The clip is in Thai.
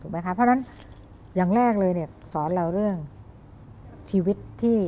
เพราะฉะนั้นอย่างแรกเลยสอนเราเรื่องชีวิต